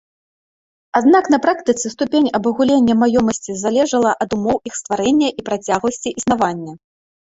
Аднак на практыцы ступень абагулення маёмасці залежала ад умоў іх стварэння і працягласці існавання.